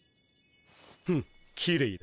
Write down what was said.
フッきれいだ。